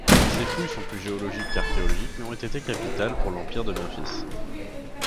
Ces fouilles sont plus géologiques qu'archéologiques mais ont été capitales pour l'histoire de Memphis.